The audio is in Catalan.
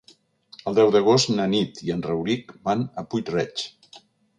El deu d'agost na Nit i en Rauric van a Puig-reig.